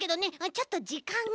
ちょっとじかんが。